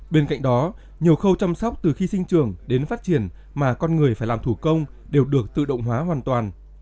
bên cạnh đó nhiều khâu chăm sóc từ khi sinh trường đến phát triển mà con người phải làm thủ công đều được tự động hóa hoàn toàn